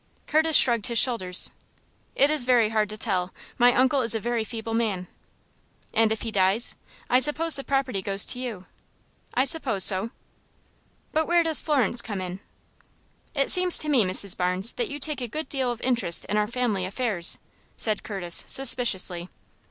Curtis shrugged his shoulders. "It is very hard to tell. My uncle is a very feeble man." "And if he dies, I suppose the property goes to you?" "I suppose so." "But where does Florence come in?" "It seems to me, Mrs. Barnes, that you take a good deal of interest in our family affairs," said Curtis, suspiciously.